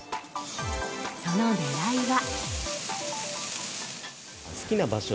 その狙いは。